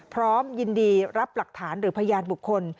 พร้อมยินดีรับหลักฐานหรือพยานบุคคล